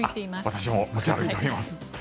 私も持ち歩いております。